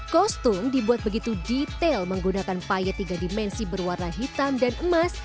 kostum dibuat begitu detail menggunakan payet tiga dimensi berwarna hitam dan emas